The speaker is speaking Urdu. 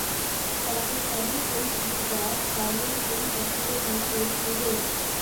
پاکستانی فلم انتظار ہارلم فلم فیسٹیول میں پیش ہوگی